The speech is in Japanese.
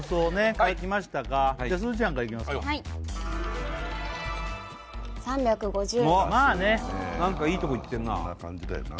書きましたかすずちゃんからいきますかはい３５０円まあね何かいいとこいってんなそんな感じだよな